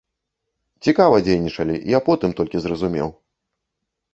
Цікава дзейнічалі, я потым толькі зразумеў.